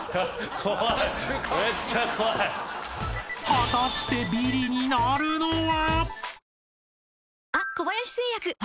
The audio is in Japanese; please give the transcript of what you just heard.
［果たしてビリになるのは？］